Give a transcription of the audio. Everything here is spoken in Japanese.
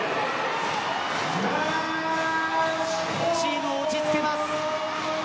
チームを落ち着けます。